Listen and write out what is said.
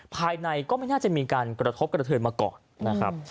ภายในก็ไม่น่าจะมีการกระทบกระเทินมาก่อน